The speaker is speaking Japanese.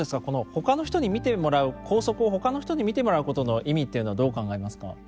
このほかの人に見てもらう校則をほかの人に見てもらうことの意味っていうのはどう考えますか？